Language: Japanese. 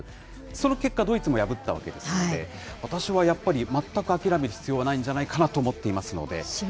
その結果、ドイツも破ったわけですので、私はやっぱり全く諦める必要はないんじゃないかなと思っていますので。